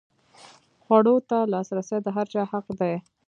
خوړو ته لاسرسی د هر چا حق دی.